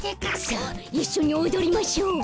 さあいっしょにおどりましょう。